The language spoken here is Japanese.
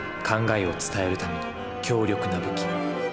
考えを伝えるための強力な武器。